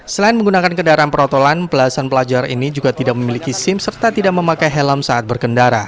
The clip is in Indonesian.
selain menggunakan kendaraan perotolan belasan pelajar ini juga tidak memiliki sim serta tidak memakai helm saat berkendara